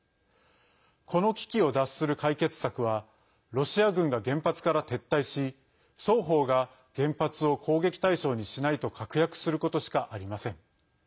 この危機を脱する解決策はロシア軍が原発から撤退し双方が原発を攻撃対象にしないと確約することしかありません。